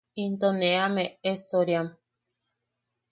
Into ne am eʼesoriam.